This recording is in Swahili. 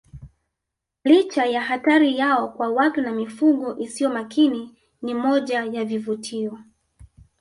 Licha ya hatari yao kwa watu na mifugo isiyo makini ni moja ya vivutio